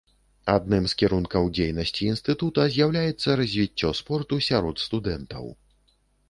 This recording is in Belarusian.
Адным з кірункаў дзейнасці інстытута з'яўляецца развіццё спорту сярод студэнтаў.